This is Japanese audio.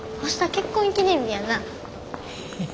結婚記念日やな。